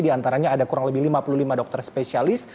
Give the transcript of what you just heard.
di antaranya ada kurang lebih lima puluh lima dokter spesialis